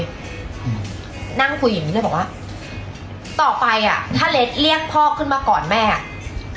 อืมนั่งคุยอย่างงี้เลยบอกว่าต่อไปอ่ะถ้าเล็กเรียกพ่อขึ้นมาก่อนแม่อ่ะ